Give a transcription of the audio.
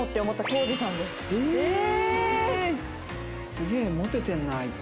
すげえモテてんなあいつ。